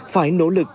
phải nỗ lực